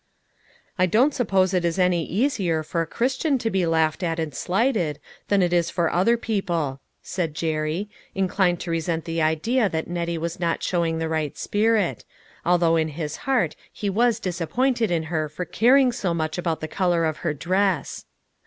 " I don't suppose it is any easier for a Chris tian to be laughed at and slighted, than it is for AN ORDEAL. 297 other people," said Jerry, inclined to resent the idea that Nettie was not showing the right spirit ; although in his heart he was disappointed in her for caring so much about the color of her dress.